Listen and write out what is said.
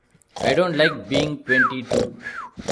I don't like being twenty-two.